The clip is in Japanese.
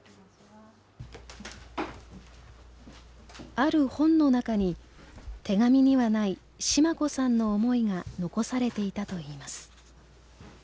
ある本の中に手紙にはないシマ子さんの思いが残されていたといいます。